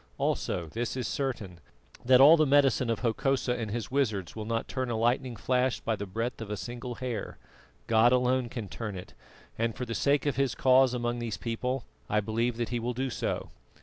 Also this is certain, that all the medicine of Hokosa and his wizards will not turn a lightning flash by the breadth of a single hair. God alone can turn it, and for the sake of His cause among these people I believe that He will do so."